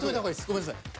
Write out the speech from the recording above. ごめんなさい。